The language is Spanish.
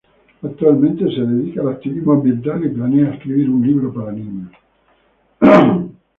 Actualmente se dedica al activismo ambiental y planea escribir un libro para niños.